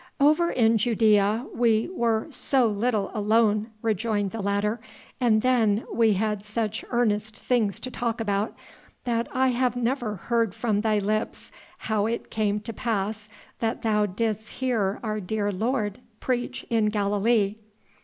"Over in Judæa we were so little alone," rejoined the latter, "and then we had such earnest things to talk about, that I have never heard from thy lips how it came to pass that thou didst hear our dear Lord preach in Galilee."